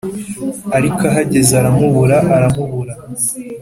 ariko ahageze aramubura aramubura,